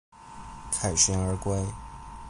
凱旋而歸